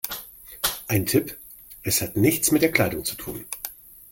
Ein Tipp: Es hat nichts mit der Kleidung zu tun.